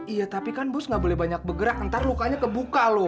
iya tapi kan bos gak boleh banyak bergerak ntar lukanya kebuka lo